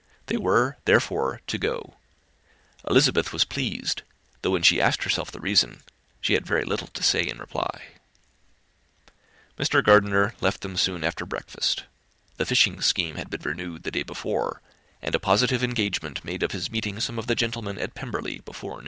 They were, therefore, to go. Elizabeth was pleased; though when she asked herself the reason, she had very little to say in reply. Mr. Gardiner left them soon after breakfast. The fishing scheme had been renewed the day before, and a positive engagement made of his meeting some of the gentlemen at Pemberley by noon.